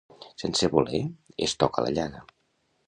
Sense voler es toca la llaga.